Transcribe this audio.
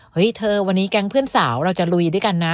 เฮ้ยเธอวันนี้แก๊งเพื่อนสาวเราจะลุยด้วยกันนะ